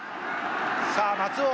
さあ松尾。